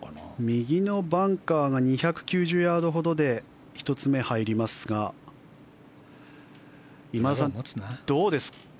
右のバンカーが２９０ほどで１つ目に入りますが今田さん、どうですか？